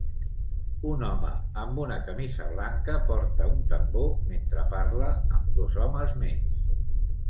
Un home amb una camisa blanca porta un tambor mentre parla amb dos homes més.